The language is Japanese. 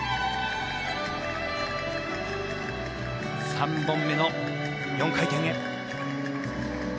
３本目の４回転。